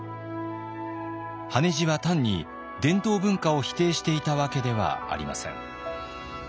羽地は単に伝統文化を否定していたわけではありません。